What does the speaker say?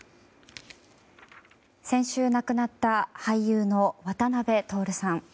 先週亡くなった俳優の渡辺徹さん。